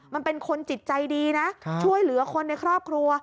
มันเป็นคนจิตใจดีนะช่วยเหลือคนในครอบครัว